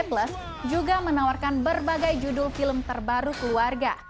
plus juga menawarkan berbagai judul film terbaru keluarga